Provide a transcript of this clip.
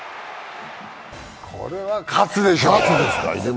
これは喝でしょう。